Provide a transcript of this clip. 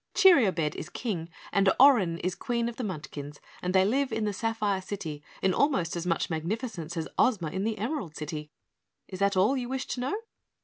Cheeriobed is King, and Orin is Queen of the Munchkins, and they live in the Sapphire City, in almost as much magnificence as Ozma in the Emerald City. Is that all you wish to know?"